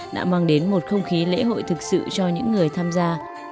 đã mang đến một không khí lễ hội thực sự cho những người tham gia